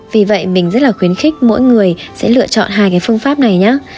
vì vậy mình rất là khuyến khích mỗi người sẽ lựa chọn hai cái phương pháp này nhé